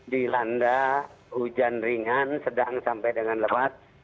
dilanda hujan ringan sedang sampai dengan lebat